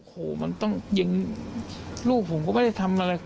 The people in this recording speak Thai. โอ้โหมันต้องยิงลูกผมก็ไม่ได้ทำอะไร